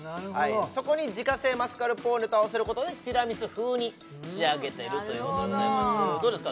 そこに自家製マスカルポーネと合わせることでティラミス風に仕上げてるということでございますどうですか？